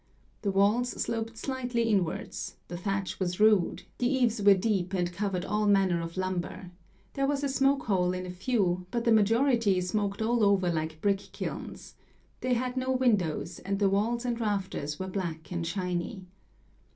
The walls sloped slightly inwards, the thatch was rude, the eaves were deep and covered all manner of lumber; there was a smoke hole in a few, but the majority smoked all over like brick kilns; they had no windows, and the walls and rafters were black and shiny.